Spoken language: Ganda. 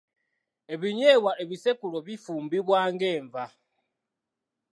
Ebinyeebwa ebisekule bifumbibwa ng'enva.